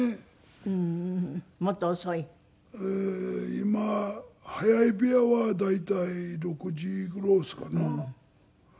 今早い部屋は大体６時頃ですかな。